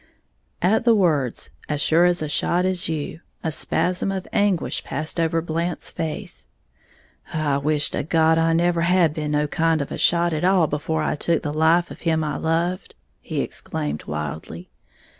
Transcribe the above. At the words, "as sure a shot as you," a spasm of anguish passed over Blant's face. "I wish to God I never had been no kind of a shot at all before I took the life of him I loved!" he exclaimed, wildly.